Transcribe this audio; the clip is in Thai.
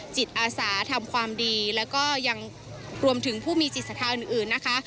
จิตอาสาทำความดีแล้วก็ยังรวมถึงผู้มีจิตศรัทธาอื่นนะคะ